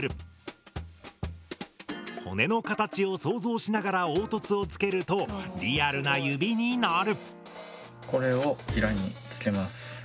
骨の形を想像しながら凹凸をつけるとリアルな指になる。